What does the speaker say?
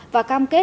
và cam kết hoàn lại